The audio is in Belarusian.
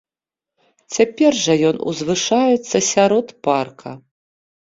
Цяпер жа ён узвышаецца сярод парка.